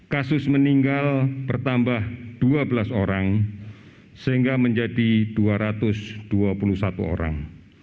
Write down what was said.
kasus meninggal bertambah dua belas orang sehingga menjadi dua ratus dua puluh satu orang